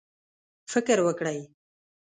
فکر وکړئ